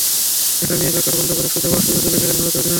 সেটা নিয়ে লকার বন্ধ করে সোজা ওয়াশরুমে চলে গেলেন ভারতের অধিনায়ক।